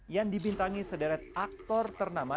yang dibintangi sederet aktor ternama